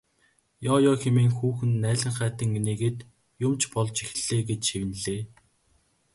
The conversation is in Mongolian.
Ёо ёо хэмээн хүүхэн наалинхайтан инээгээд юм ч болж эхэллээ гэж шивнэлээ.